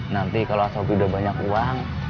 nanti kalau sapi udah banyak uang